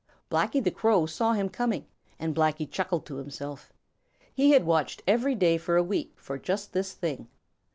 Blacky the Crow saw him coming, and Blacky chuckled to himself. He had watched every day for a week for just this thing.